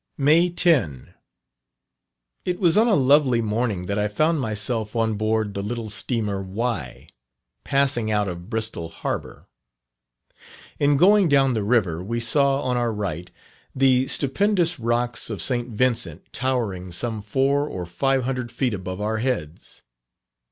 May 10. It was on a lovely morning that I found myself on board the little steamer Wye, passing out of Bristol harbour. In going down the river, we saw on our right, the stupendous rocks of St. Vincent towering some four or five hundred feet above our heads.